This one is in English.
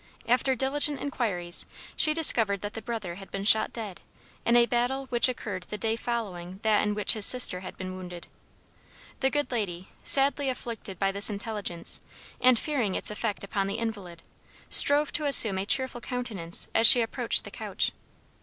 After diligent inquiries she discovered that the brother had been shot dead in a battle which occurred the day following that in which his sister had been wounded. The good lady, sadly afflicted by this intelligence, and fearing its effect upon the invalid, strove to assume a cheerful countenance as she approached the couch.